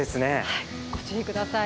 ご注意ください。